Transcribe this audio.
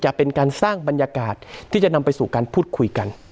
จะเป็นการสร้างบรรยากาศที่จะนำไปสู่การพูดคุยกัน